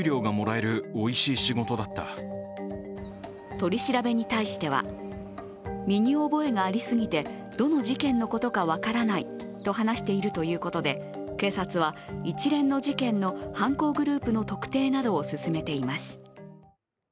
取り調べに対しては、身に覚えがありすぎてどの事件のことか分からないと話しているということで、警察は一連の事件の犯行グループの特定などを進めています。